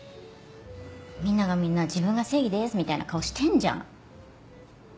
みんながみんな自分が正義ですみたいな顔してんじゃん。